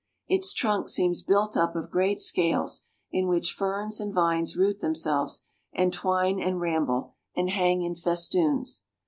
Its trunk seems built up of great scales, in which ferns and vines root themselves, and twine and ramble, and hang in festoons.